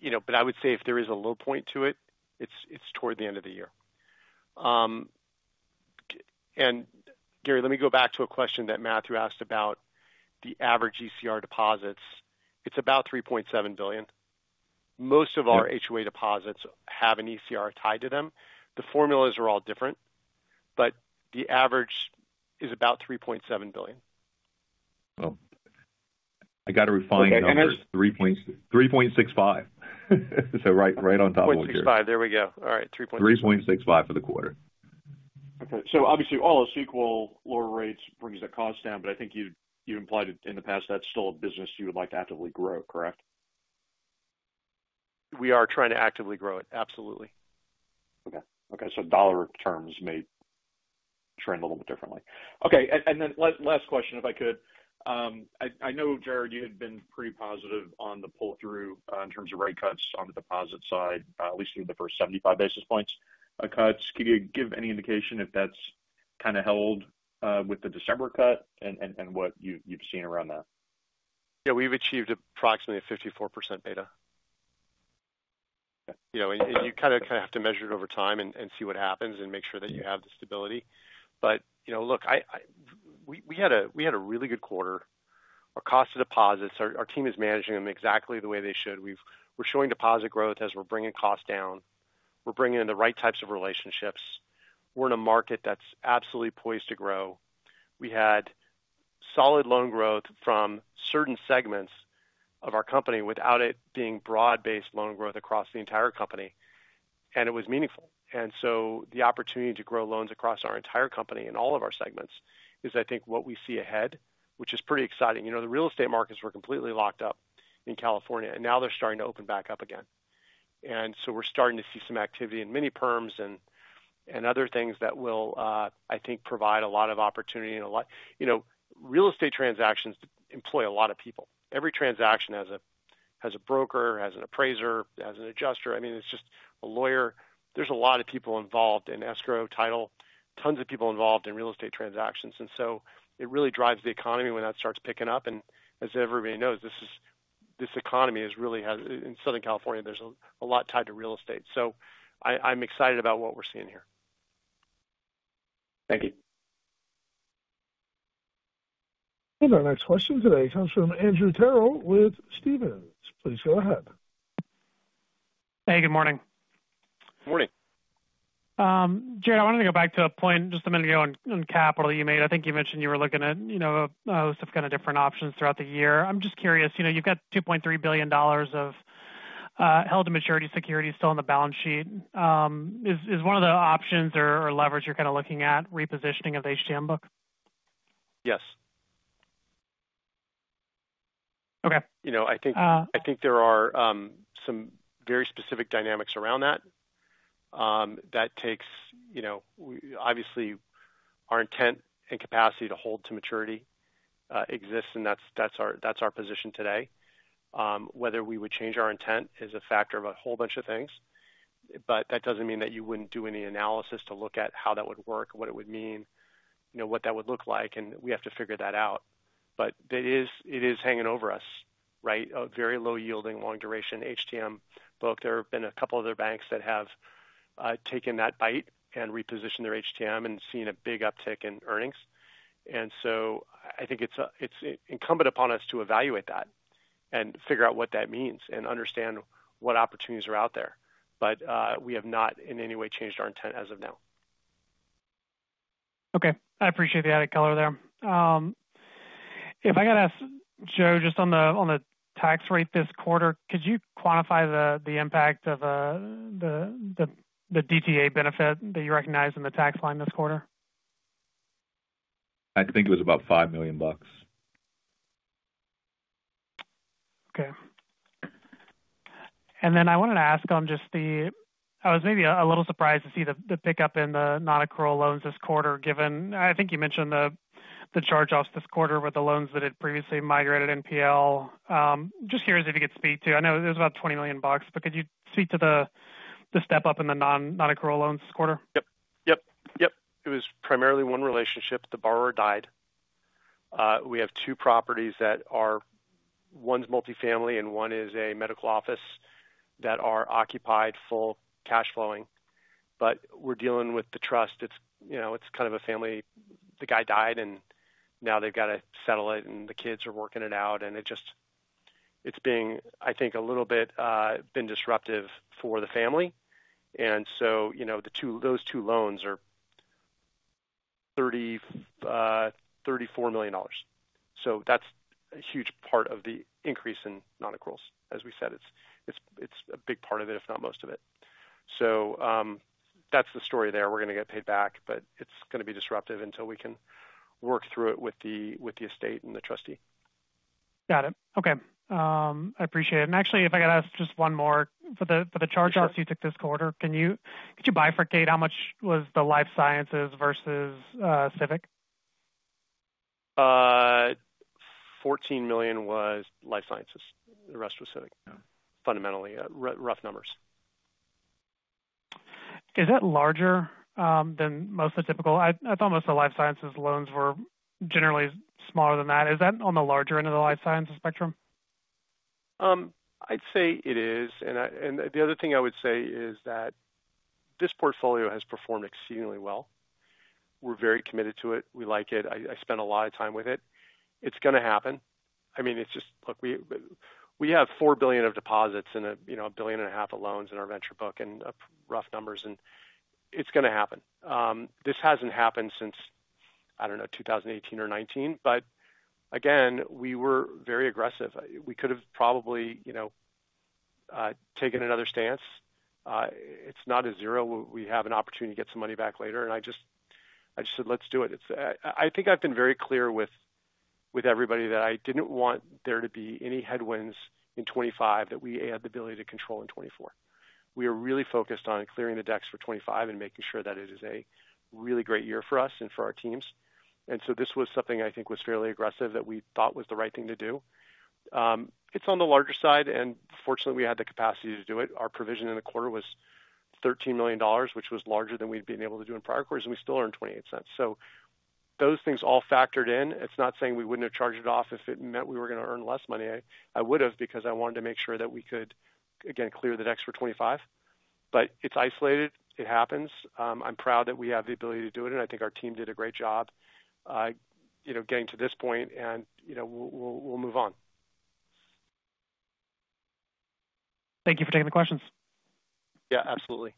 you know, but I would say if there is a low point to it, it's toward the end of the year. And Gary, let me go back to a question that Matthew asked about the average ECR deposits. It's about $3.7 billion. Most of our HOA deposits have an ECR tied to them. The formulas are all different, but the average is about $3.7 billion. I got to refine 3.65. Right, right on top. 3.65. There we go. All right. 3.65 for the quarter. Okay, so obviously all of so-called lower rates brings the cost down, but I think you, you implied in the past that's still a business you would like to actively grow, correct? We are trying to actively grow it. Absolutely. Okay. So dollar terms may trend a little bit differently. Okay. And then, last question, if I could. I know, Jared, you had been pretty positive on the pull through in terms of rate cuts on the deposit side. At least through the first 75 basis points. Cuts. Can you give any indication if that's kind of held with the December cut and what you've seen around that? Yeah, we've achieved approximately a 54% beta. You know, you kind of have to measure it over time and see what happens and make sure that you have the stability. But you know, look, we had a really good quarter. Our cost of deposits, our team is managing them exactly the way they should. We're showing deposit growth as we're bringing costs down. We're bringing in the right types of relationships. We're in a market that's absolutely poised to grow. We had solid loan growth from certain segments of our company without it being broad based loan growth across the entire company. And it was meaningful. And so the opportunity to grow loans across our entire company in all of our segments is, I think, what we see ahead, which is pretty exciting. You know, the real estate markets were completely locked up in California and now they're starting to open back up again. And so we're starting to see some activity in mini-perms and other things that will, I think, provide a lot of opportunity and a lot, you know, real estate transactions employ a lot of people. Every transaction has a broker, has an appraiser, has an adjuster. I mean, it's just a lawyer. There's a lot of people involved in escrow title, tons of people involved in real estate transactions. And so it really drives the economy when that starts picking up. And as everybody knows, this is, this economy is really in Southern California. There's a lot tied to real estate. So I'm excited about what we're seeing here. Thank you. Our next question today comes from Andrew Terrell with Stephens. Please go ahead. Hey, good morning. Morning. Jared, I wanted to go back to a point just a minute ago on capital you made. I think you mentioned you were looking at a host of kind of different options throughout the year. I'm just curious. You've got $2.3 billion of held to maturity securities still on the balance sheet. Is one of the options or leverage you're kind of looking at repositioning of the HTM book? Yes. Okay. I think there are some very specific dynamics around that that takes, you know, obviously our intent and capacity to hold to maturity exists and that's our position today. Whether we would change our intent is a factor of a whole bunch of things. But that doesn't mean that you wouldn't do any analysis to look at how that would work, what it would mean, what that would look like. And we have to figure that out. But it is hanging over us. Right. A very low yielding, long duration HTM book. There have been a couple other banks that have taken that bite and repositioned their HTM and seen a big uptick in earnings. And so I think it's incumbent upon us to evaluate that and figure out what that means and understand what opportunities are out there. But we have not in any way changed our intent as of now. Okay. I appreciate the added color there. If I gotta ask Joe, just on the tax rate this quarter, could you quantify the impact of the DTA benefit that you recognized in the tax line this quarter? I think it was about $5 million. Okay. And then I wanted to ask on just the, I was maybe a little surprised to see the pickup in the non-accrual loans this quarter given I think you mentioned the charge-offs this quarter with the loans that had previously migrated NPL. Just curious if you could speak to. I know there's about $20 million, but could you speak to the step-up in the non-accrual loans this quarter? Yep, yep, yep. It was primarily one relationship. The borrower died. We have two properties that are one's multi-family and one is a medical office that are occupied. Full cash flowing. But we're dealing with the trust. It's, you know, it's kind of a family. The guy died and now they've got to settle it and the kids are working it out and it just, it's being, I think a little bit been disruptive for the family. And so you know, the two, those two loans are $30 million-$34 million. So that's a huge part of the increase in non-accruals. As we said. It's a big part of it if not most of it. So that's the story there. We're going to get paid back, but it's going to be disruptive until we can work through it with the, with the estate and the trustee. Got it. Okay, I appreciate it. And actually, if I got asked just one more for the charge-off you took this quarter, could you bifurcate how much was the Life Sciences versus Civic? $14 million was Life Sciences. The rest was Civic. Fundamentally rough numbers. Is that larger than most of the typical? I thought most of the Life Sciences loans were generally smaller than that. Is that on the larger end of the life science spectrum? I'd say it is. And the other thing I would say is that this portfolio has performed exceedingly well. We're very committed to it. We like it. I spent a lot of time with it. It's going to happen. I mean, it's just, look, we have $4 billion of deposits and $1.5 billion of loans in our venture book and rough numbers, and it's going to happen. This hasn't happened since, I don't know, 2018 or 2019. But again, we were very aggressive. We could have probably taken another stance. It's not a zero. We have an opportunity to get some money back later. And I just, I just said, let's do it. I think I've been very clear with everybody that I didn't want there to be any headwinds in 2025 that we had the ability to control in 2024. We are really focused on clearing the decks for 2025 and making sure that it is a really great year for us and for our teams, and so this was something, I think, was fairly aggressive that we thought was the right thing to do. It's on the larger side and fortunately we had the capacity to do it. Our provision in the quarter was $13 million, which was larger than we'd been able to do in prior quarters, and we still earned $0.28, so those things all factored in. It's not saying we wouldn't have charged it off if it meant we were going to earn less money. I would have because I wanted to make sure that we could again clear the decks for 2025, but it's isolated. It happens. I'm proud that we have the ability to do it and I think our team did a great job getting to this point and we'll move on. Thank you for taking the questions. Yeah, absolutely.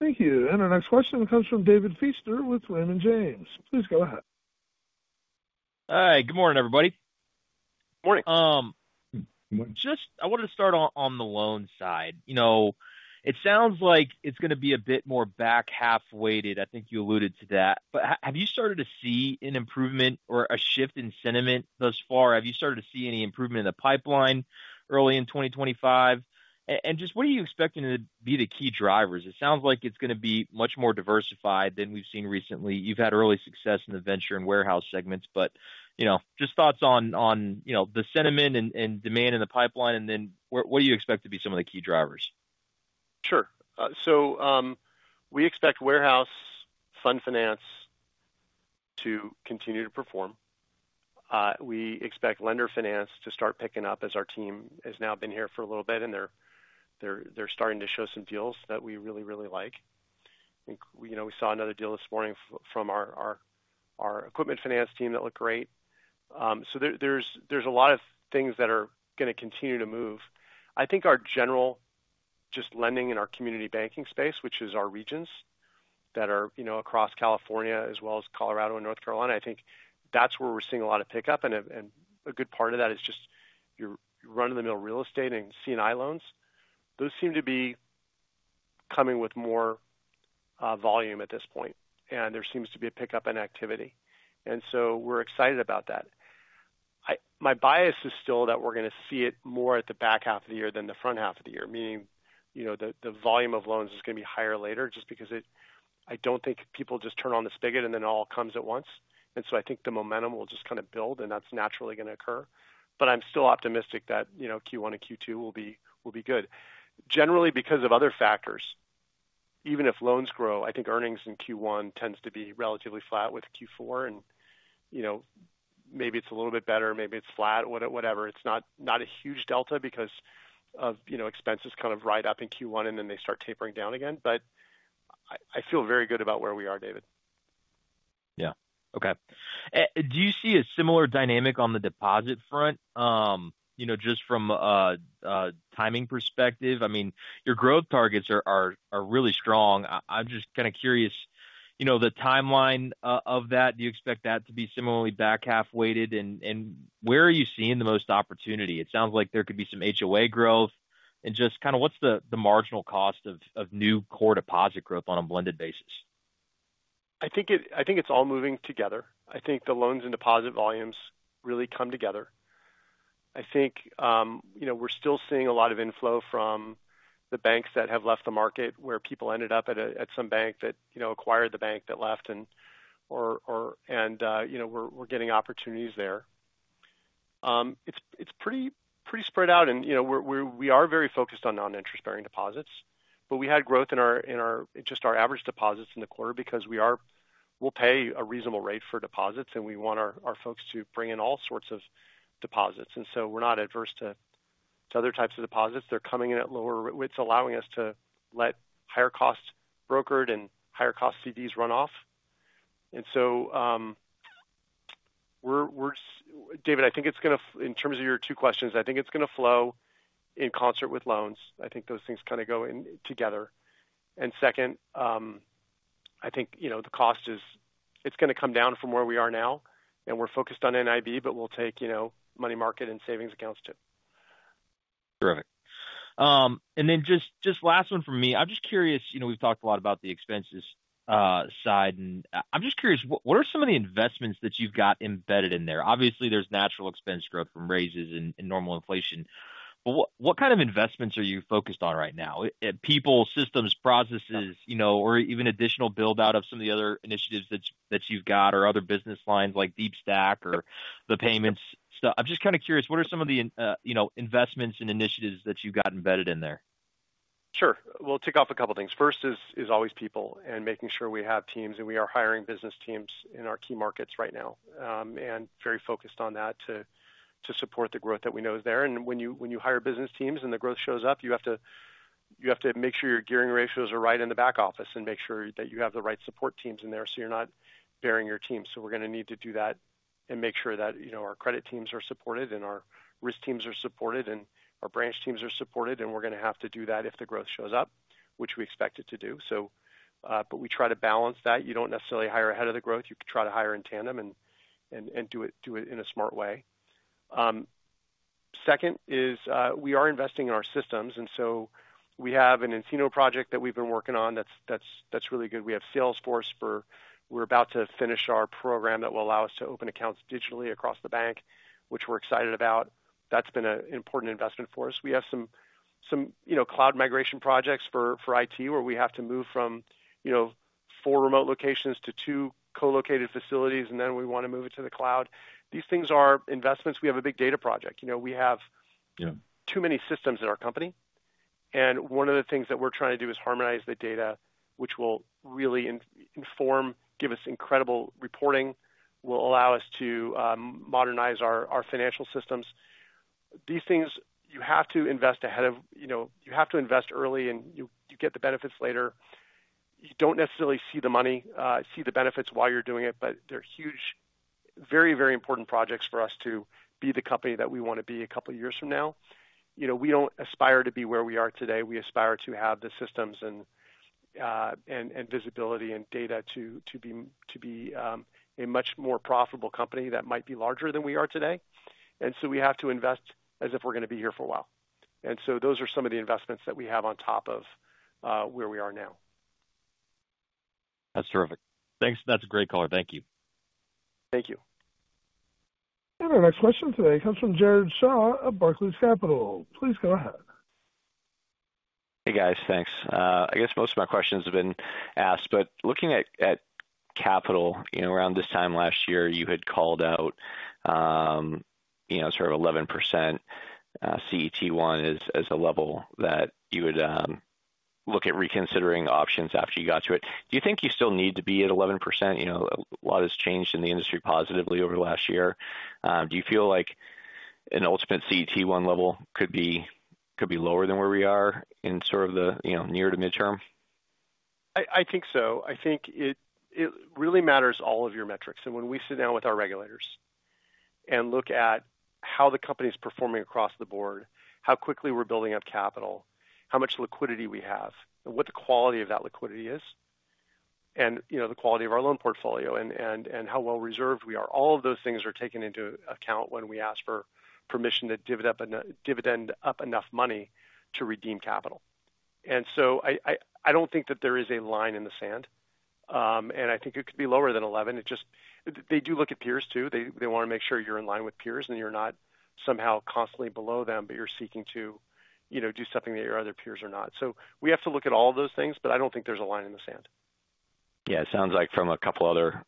Thank you. And our next question comes from David Feaster with Raymond James. Please go ahead. Hi. Good morning, everybody. Morning. I just wanted to start on the loan side. You know, it sounds like it's going to be a bit more back half weighted. I think you alluded to that. But have you started to see an improvement or a shift in sentiment thus far? Have you started to see any improvement in the pipeline early in 2025? And just what are you expecting to be the key drivers? It sounds like it's going to be much more diversified than we've seen recently. You've had early success in the venture and Warehouse segments, but just thoughts on the sentiment and demand in the pipeline. And then what do you expect to be some of the key drivers? Sure, so we expect Warehouse, Fund Finance to continue to perform. We expect Lender Finance to start picking up as our team has now been here for a little bit and they're starting to show some deals that we really, really like. You know, we saw another deal this morning from our equipment finance team that looked great, so there's a lot of things that are going to continue to move. I think our general just lending in our community banking space, which is our regions that are, you know, across California as well as Colorado and North Carolina. I think that's where we're seeing a lot of pickup. And a good part of that is just your run-of-the-mill real estate and C&I loans. Those seem to be coming with more volume at this point, and there seems to be a pickup in activity, and so we're excited about that. My bias is still that we're going to see it more at the back half of the year than the front half of the year, meaning the volume of loans is going to be higher later just because I don't think people just turn on the spigot and then it all comes at once. And so I think the momentum will just kind of build, and that's naturally going to occur. But I'm still optimistic that Q1 and Q2 will be good generally because of other factors. Even if loans grow, I think earnings in Q1 tends to be relatively flat with Q4. Maybe it's a little bit better, maybe it's flat, whatever. It's not a huge delta because of expenses. Kind of ride up in Q1 and then they start tapering down again. I feel very good about where we are. David. Yeah. Okay. Do you see a similar dynamic on the deposit front just from timing perspective? I mean, your growth targets are really strong. I'm just kind of curious, the timeline of that. Do you expect that to be similarly back half weighted? Where are you seeing the most opportunity? It sounds like there could be some HOA growth, and just kind of, what's the marginal cost of new core deposit growth on a blended basis? I think it's all moving together. I think the loans and deposit volumes really come together. I think we're still seeing a lot of inflow from the banks that have left the market where people ended up at some bank that acquired the bank that left and you know we're getting opportunities there. It's pretty spread out and you know we are very focused on non-interest-bearing deposits but we had growth in our just our average deposits in the quarter because we'll pay a reasonable rate for deposits and we want our folks to bring in all sorts of deposits and so we're not adverse to other types of deposits. They're coming in at lower. It's allowing us to let higher-cost brokered and higher-cost CDs run off. And so we're. David, I think it's going to, in terms of your two questions, I think it's going to flow in concert with loans. I think those things kind of go together. And second, I think, you know, the cost is, it's going to come down from where we are now, and we're focused on NIB, but we'll take, you know, money market and savings accounts too. Terrific. And then just last one for me. I'm just curious. We've talked a lot about the expenses side, and I'm just curious what are some of the investments that you've got embedded in there? Obviously there's natural expense growth from raises and normal inflation. What kind of investments are you focused on right now? People, systems, processes or even additional build out of some of the other initiatives that you've got or other business lines like DeepStack or the payments. I'm just kind of curious what are some of the investments and initiatives that you got embedded in there? Sure, we'll tick off a couple things. First is always people and making sure we have teams and we are hiring business teams in our key markets right now and very focused on that to support the growth that we know is there. And when you hire business teams and the growth shows up you have to make sure your gearing ratios are right in the back office and make sure that you have the right support teams in there so you're not bearing your team. So we're going to need to do that and make sure that our credit teams are supported and our risk teams are supported and our branch teams are supported and we're going to have to do that if the growth shows up, which we expect it to do. But we try to balance that. You don't necessarily hire ahead of the growth. You could try to hire in tandem and do it in a smart way. Second is we are investing in our systems, and so we have an nCino project that we've been working on that's really good. We have Salesforce, for we're about to finish our program that will allow us to open accounts digitally across the bank, which we're excited about. That's been an important investment for us. We have some cloud migration projects for it where we have to move from four remote locations to two co-located facilities and then we want to move it to the cloud. These things are investments. We have a big data project. We have too many systems in our company. One of the things that we're trying to do is harmonize the data which will really inform, give us incredible reporting, will allow us to modernize our financial systems. These things you have to invest ahead of, you know. You have to invest early and you get the benefits later. You don't necessarily see the money, see the benefits while you're doing it, but they're huge, very, very important projects for us to be the company that we want to be a couple years from now. You know, we don't aspire to be where we are today. We aspire to have the systems and visibility and data to be a much more profitable company that might be larger than we are today. And so we have to invest as if we're going to be here for a while. And so those are some of the investments that we have on top of where we are now. That's terrific. Thanks. That's a great call. Thank you. Thank you. Our next question today comes from Jared Shaw of Barclays Capital. Please go ahead. Hey guys. Thanks. I guess most of my questions have been asked, but looking at capital around this time last year, you had called out 11% CET1 as a level that you would look at reconsidering options after you got to it. Do you think you still need to be at 11%? A lot has changed in the industry positively over the last year. Do you feel like an ultimate CET1 level could be lower than where we are in sort of the near to midterm? I think so. I think it really matters, all of your metrics and when we sit down with our regulators and look at how the company is performing across the board, how quickly we're building up capital, how much liquidity we have, what the quality of that liquidity is and the quality of our loan portfolio and how well reserved we are. All of those things are taken into account when we ask for permission to dividend up enough money to redeem capital. And so I don't think that there is a line in the sand, and I think it could be lower than 11. They do look at peers, too. They want to make sure you're in line with peers and you're not somehow constantly below them, but you're seeking to do something that your other peers are not. So we have to look at all those things, but I don't think there's a line in the sand. Yeah, it sounds like from a couple other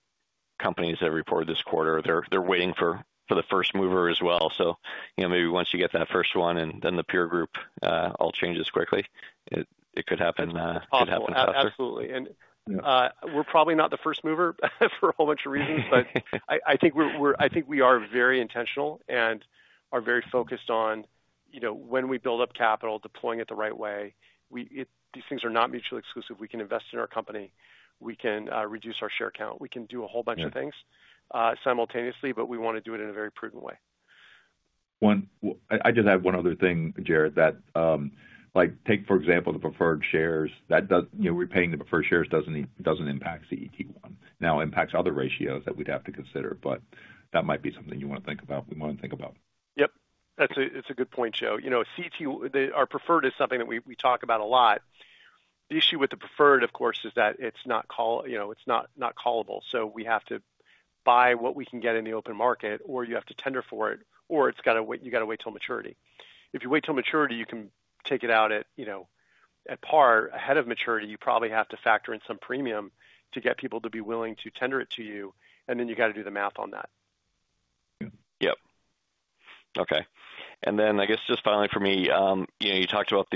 companies that reported this quarter, they're waiting for the first mover as well. So maybe once you get that first one and then the peer group, all changes quickly. It could happen faster. Absolutely. And we're probably not the first mover for a whole bunch of reasons, but I think we are very intentional and are very focused on when we build up capital, deploying it the right way. These things are not mutually exclusive. We can invest in our company, we can reduce our share count. We can do a whole bunch of things simultaneously, but we want to do it in a very prudent way. I just have one other thing, Jared, that, like, take, for example, the preferred shares that, you know, repaying the preferred shares doesn't impact CET1. Now, it impacts other ratios that we'd have to consider. But that might be something you want to think about. We want to think about. Yep. That's a good point, Joe. You know, CET1, our preferred is something that we talk about. A lot of the issue with the preferred, of course, is that it's not callable. So we have to buy what we can get in the open market, or you have to tender for it, or it's got to wait. You got to wait till maturity. If you wait till maturity, you can take it out at, you know, at par, ahead of maturity. You probably have to factor in some premium to get people to be willing to tender it to you. And then you got to do the math on that. Yep. Okay. And then I guess just finally for me, you know, you talked about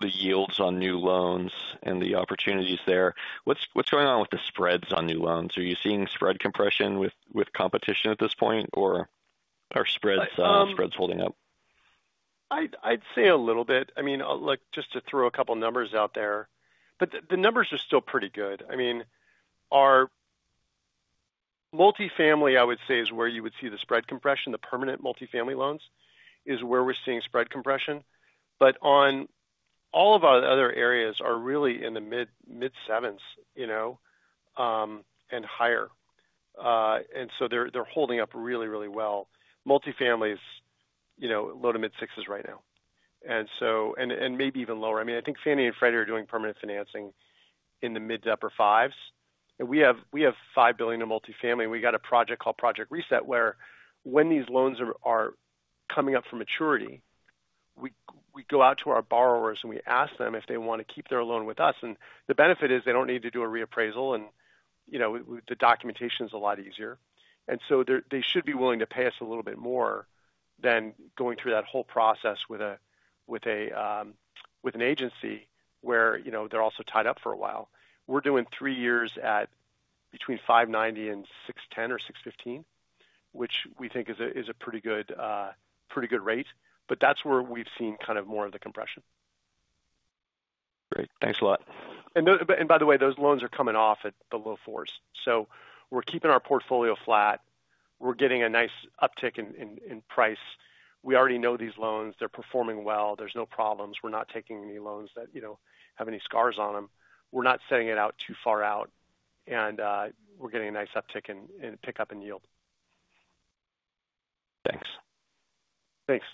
the yields on new loans and the opportunities there. What's going on with the spreads on new loans? Are you seeing spread compression with competition at this point, or are spreads holding up? I'd say a little bit. I mean, just to throw a couple numbers out there, but the numbers are still pretty good. I mean, our multifamily, I would say, is where you would see the spread compression. The permanent multifamily loans is where we're seeing spread compression. But on all of our other areas are really in the mid sevens and higher. And so they're holding up really, really well. Multifamily is low to mid sixes right now and maybe even lower. I mean, I think Fannie and Freddie are doing permanent financing in the mid to upper fives. We have $5 billion in multifamily. We got a project called Project Reset where when these loans are coming up for maturity, we go out to our borrowers and we ask them if they want to keep their loan with us, and the benefit is they don't need to do a reappraisal, and, you know, the documentation is a lot easier, and so they should be willing to pay us a little bit more than going through that whole process with an agency where, you know, they're also tied up for a while. We're doing three years at between 590 and 610 or 615, which we think is a pretty good rate, but that's where we've seen kind of more of the compression. Great, thanks a lot. and by the way, those loans are coming off at the low 4s, so we're keeping our portfolio flat. We're getting a nice uptick in price. We already know these loans, they're performing well. There's no problems. We're not taking any loans that have any scars on them. We're not setting it out too far out, and we're getting a nice uptick in pickup and yield. Thanks. Thanks.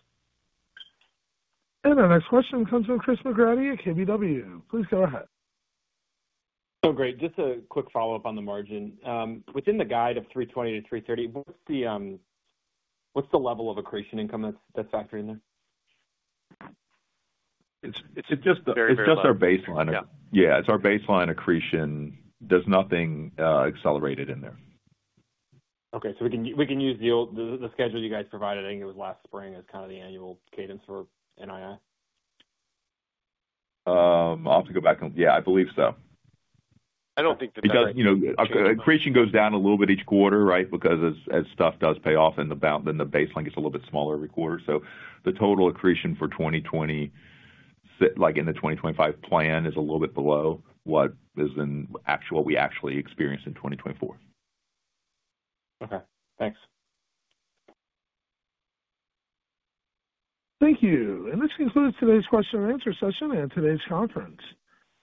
Our next question comes from Chris McGratty at KBW. Please go ahead. Great. Just a quick follow-up on the margin. Within the guide of 320-330. What's the level of accretion income that's factoring there? It's just our baseline. Yeah, it's our baseline accretion. There's nothing accelerated in there. Okay, so we can use the old schedule you guys provided. I think it was last spring, as kind of the annual cadence for NII? I'll have to go back. Yeah, I believe so. I don't think it does. You know, accretion goes down a little bit each quarter. Right? Because as stuff does pay off in the bond, then the baseline gets a little bit smaller every quarter. So the total accretion for 2020, like in the 2025 plan is a little bit below what we actually experienced in 2024. Okay, thanks. Thank you. And this concludes today's question and answer session and today's conference.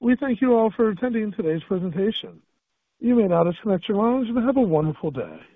We thank you all for attending today's presentation. You may now disconnect your lines, but have a wonderful day.